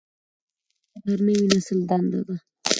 زدهکړه د هر نوي نسل دنده ده.